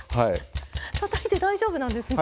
たたいて大丈夫なんですね。